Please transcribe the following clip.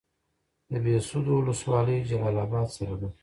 د بهسودو ولسوالۍ جلال اباد سره ده